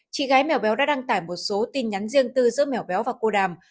chị gái mèo béo đã đăng tải một số tin nhắn riêng tư giữa mèo béo và cô đàm